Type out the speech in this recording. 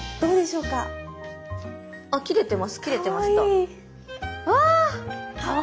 うわ！